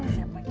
eh siapa itu